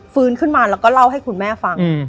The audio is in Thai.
ฟื้นขึ้นมาแล้วก็เล่าให้คุณแม่ฟัง